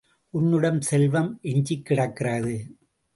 உன்னிடம் செல்வம் எஞ்சிக் கிடக்கிறது.